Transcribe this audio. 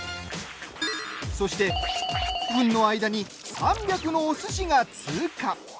そして○○分の間に３００のおすしが通過？